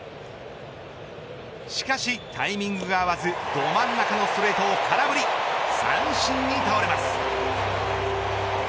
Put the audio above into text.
しかしタイミングが合わず真ん中のストレートを空振り三振に倒れます。